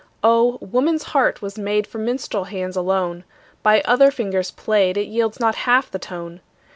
Oh! woman's heart was made For minstrel hands alone; By other fingers played, It yields not half the tone.